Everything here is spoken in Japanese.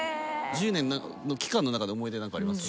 １０年の期間の中で思い出何かあります？